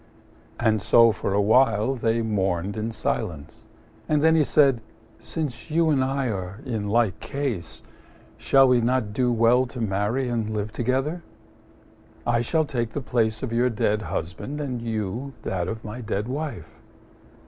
And so for a while they mourned in silence. Then he said, "Since you and I are in like case, shall we not do well to marry and live together? I shall take the place of your dead husband, and you, that of my dead wife."